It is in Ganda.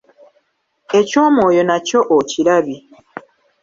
Eky'omwoyo nakyo okirabye.